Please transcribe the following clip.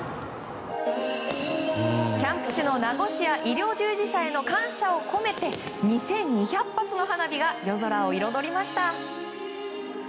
キャンプ地の名護市や医療従事者への感謝を込めて２２００発の花火が夜空を彩りました。